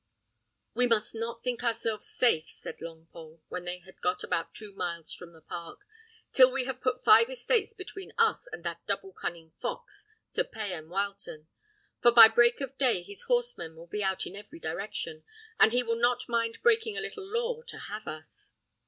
"We must not think ourselves safe," said Longpole, when they had got about two miles from the park, "till we have put five estates between us and that double cunning fox, Sir Payan Wileton; for by break of day his horsemen will be out in every direction, and he will not mind breaking a little law to have us."